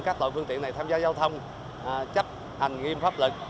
các tội phương tiện này tham gia giao thông chấp hành nghiêm pháp lực